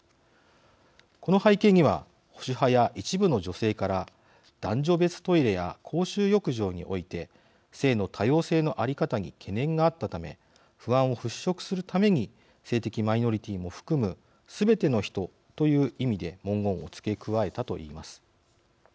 この背景には保守派や一部の女性から男女別トイレや公衆浴場において性の多様性の在り方に懸念があったため不安を払拭するために性的マイノリティーも含むすべての人という意味で文言を付け加えたと言います。